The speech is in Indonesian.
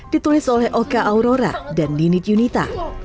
ditulis oleh oka aurora dan ninit yunita